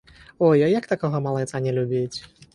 Ой, а як такога малайца не любіць?